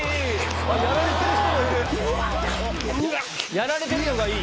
やられてるのがいい！